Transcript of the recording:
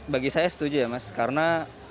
bagi saya setuju ya mas karena